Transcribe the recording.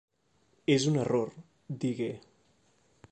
"És un error", digué.